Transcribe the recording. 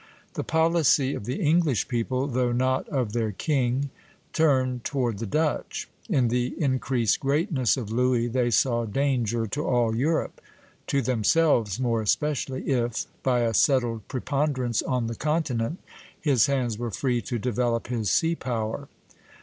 The policy of the English people, though not of their king, turned toward the Dutch. In the increased greatness of Louis they saw danger to all Europe; to themselves more especially if, by a settled preponderance on the continent, his hands were free to develop his sea power.